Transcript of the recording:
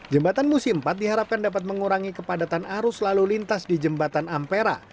jembatan musim empat diharapkan dapat mengurangi kepadatan arus lalu lintas di jembatan ampera